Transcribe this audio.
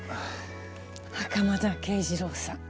袴田啓二郎さん。